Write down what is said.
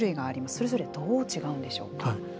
それぞれ、どう違うんでしょうか。